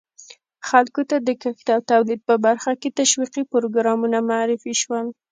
خلکو ته د کښت او تولید په برخه کې تشویقي پروګرامونه معرفي شول.